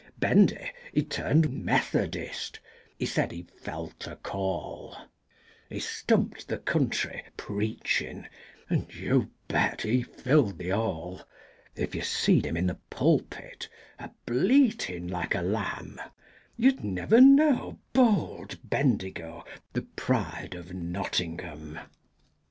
Bendy he turned Methodist—he said he felt a call, He stumped the country preachin' and you bet he filled the hall, If you seed him in the pulpit, a bleatin' like a lamb, You'd never know bold Bendigo, the pride of Nottingham.